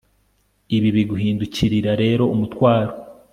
ibi bigihindukira rero umutwaro